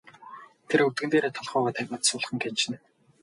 Тэр өвдгөн дээрээ толгойгоо тавиад сулхан гиншинэ.